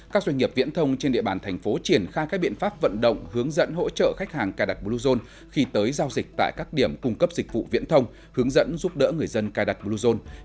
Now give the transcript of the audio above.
các doanh nghiệp viễn thông trên địa bàn thành phố triển khai các biện pháp vận động hướng dẫn hỗ trợ khách hàng cài đặt bluezone khi tới giao dịch tại các điểm cung cấp dịch vụ viễn thông hướng dẫn giúp đỡ người dân cài đặt bluezone